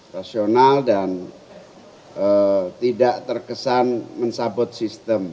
rasional dan tidak terkesan mencabut sistem